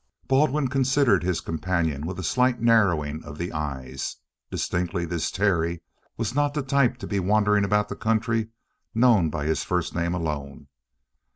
Baldwin considered his companion with a slight narrowing of the eyes. Distinctly this "Terry" was not the type to be wandering about the country known by his first name alone.